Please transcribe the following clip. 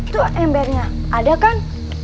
tuh embernya ada kan